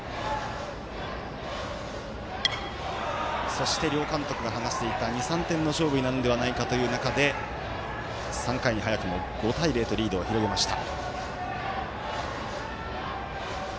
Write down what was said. そして両監督が話していた２３点の勝負になるのではないかという中で３回に、早くも５対０とリードを広げました。